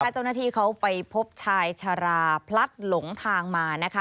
เจ้าหน้าที่เขาไปพบชายชาราพลัดหลงทางมานะคะ